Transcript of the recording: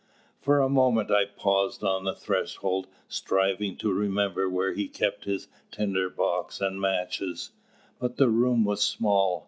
For a moment I paused on the threshold, striving to remember where he kept his tinder box and matches. But the room was small.